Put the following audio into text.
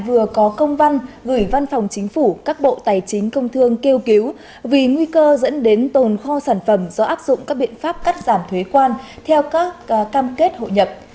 vừa có công văn gửi văn phòng chính phủ các bộ tài chính công thương kêu cứu vì nguy cơ dẫn đến tồn kho sản phẩm do áp dụng các biện pháp cắt giảm thuế quan theo các cam kết hội nhập